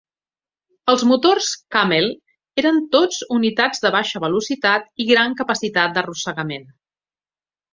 Els motors "Camel" eren tots unitats de baixa velocitat i gran capacitat d'arrossegament.